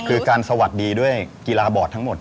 คือการสวัสดีด้วยกีฬาบอร์ดทั้งหมด